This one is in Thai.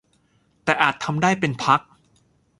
แต่อาจทำได้เป็นพัก